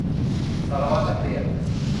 สารวัตรนักเรียน